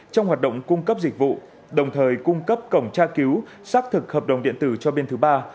trong hoạt động cung cấp dịch vụ đồng thời cung cấp cổng tra cứu xác thực hợp đồng điện tử cho bên thứ ba